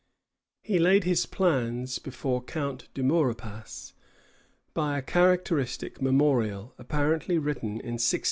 He laid his plans before Count de Maurepas by a characteristic memorial, apparently written in 1699.